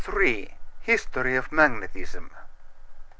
HISTORY OF MAGNETISM.